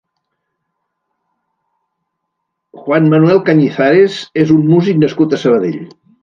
Juan Manuel Cañizares és un músic nascut a Sabadell.